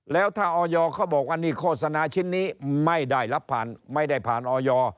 แล้วถ้าออยเขาบอกว่านี่โฆษณาชิ้นนี้ไม่ได้รับผ่านไม่ได้ผ่านออย